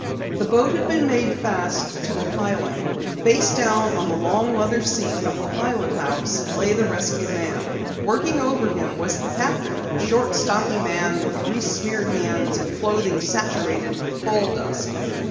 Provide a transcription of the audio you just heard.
The boat had been made fast to a piling. Face downward on the long leather seat of the pilot house, lay the rescued man. Working over him was the captain, a short, stocky man with grease smeared hands and clothing saturated with coal dust.